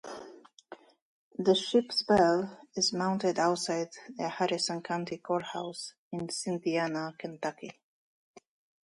The ship's bell is mounted outside the Harrison County Courthouse, in Cynthiana, Kentucky.